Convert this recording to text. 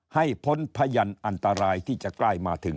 พ้นพยานอันตรายที่จะใกล้มาถึง